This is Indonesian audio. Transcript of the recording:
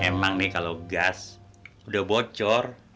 emang nih kalau gas udah bocor